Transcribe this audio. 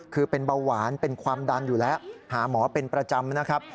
คือเป็นเบาหวานเป็นความดันอยู่แล้วหาหมอเป็นประจำนะครับ